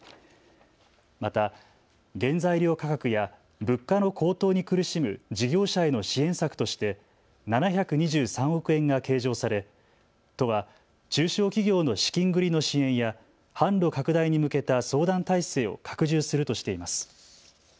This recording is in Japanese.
また原材料価格や物価の高騰に苦しむ事業者への支援策として７２３億円が計上され都は中小企業の資金繰りの支援や販路拡大に向けた相談体制を拡充するとしています。